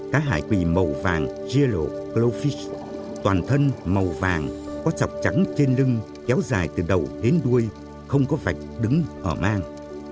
cá hải quỳ màu vàng yellow glowfish toàn thân màu vàng có chọc trắng trên lưng kéo dài từ đầu đến đuôi không có vạch đứng ở mang